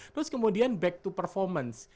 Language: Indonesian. terus kemudian back to performance